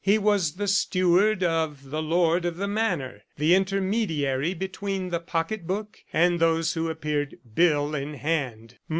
He was the steward of the lord of the manor, the intermediary between the pocketbook and those who appeared bill in hand.